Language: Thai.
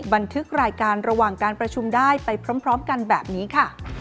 บันทึกรายการระหว่างการประชุมได้ไปพร้อมกันแบบนี้ค่ะ